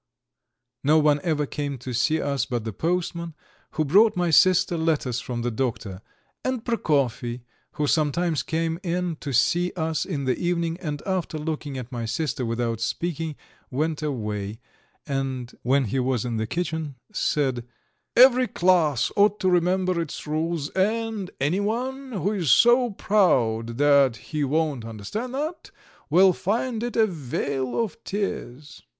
No one ever came to see us but the postman, who brought my sister letters from the doctor, and Prokofy, who sometimes came in to see us in the evening, and after looking at my sister without speaking went away, and when he was in the kitchen said: "Every class ought to remember its rules, and anyone, who is so proud that he won't understand that, will find it a vale of tears."